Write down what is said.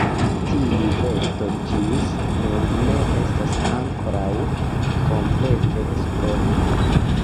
Tiu besto ĝis nun ne estas ankoraŭ komplete esplorita.